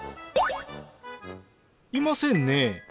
いませんね。